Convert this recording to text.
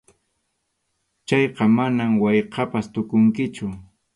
Chayqa manam haykʼappas tukunkichu.